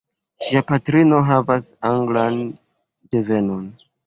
Ŝia patrino havas anglan devenon.